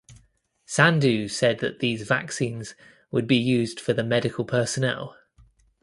Sandu said that these vaccines would be used for the medical personnel.